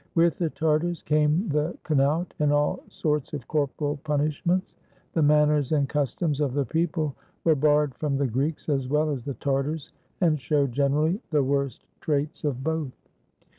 With the Tartars came the knout and all sorts of corporal punishments. The manners and customs of the people were borrowed from the Greeks as well as the Tartars, and showed generally the worst traits of both.